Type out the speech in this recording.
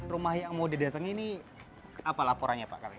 rumah yang mau didatangi ini apa laporannya pak